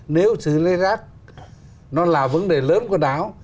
nếu xử lý rác nó là vấn đề lớn của đảo